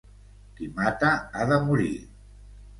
Qui mata ha de morir.